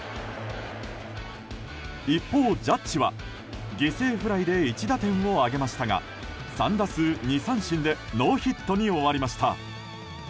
一方、ジャッジは犠牲フライで１打点を挙げましたが３打数２三振でノーヒットに終わりました。